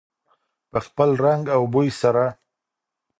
په خپل رنګ او بوی سره.